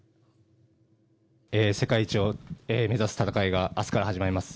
世界一を目指す戦いが明日から始まります。